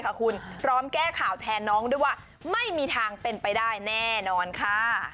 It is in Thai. พร้อมแก้ข่าวแทนน้องด้วยว่าไม่มีทางเป็นไปได้แน่นอนค่ะ